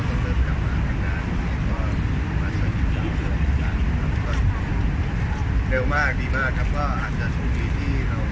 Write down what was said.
ถ้าเขาแหลงก็ต้องเริ่มไปกลับมาทำงานแล้วก็ตรงนี้เรียนแบบสุด